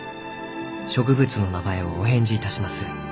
植物の名前をお返事いたします。